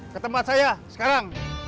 ketempat saya sekarang